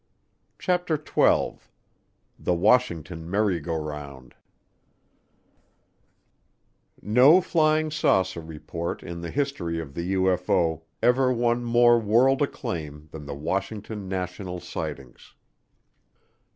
CHAPTER TWELVE The Washington Merry Go Round No flying saucer report in the history of the UFO ever won more world acclaim than the Washington National Sightings.